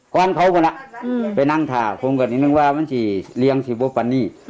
ก่อนเขาวันเวลากินไปนั่งทากผมก็ได้นึกว่าภูทิงจริงพอบรรณี